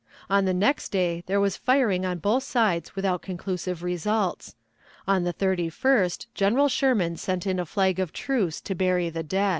On the next day there was firing on both sides without conclusive results. On the 31st General Sherman sent in a flag of trace to bury the dead.